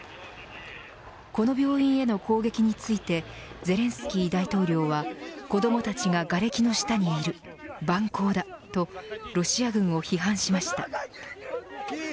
この病院への攻撃についてゼレンスキー大統領は子どもたちが、がれきの下にいる蛮行だとロシア軍を批判しました。